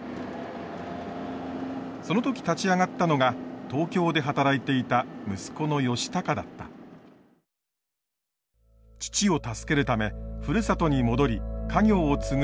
その時立ち上がったのが東京で働いていた父を助けるためふるさとに戻り家業を継ぐ決心をした。